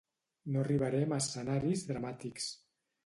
No arribarem a escenaris dramàtics.